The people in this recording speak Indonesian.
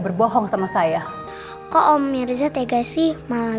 ternyata benar dugaan saya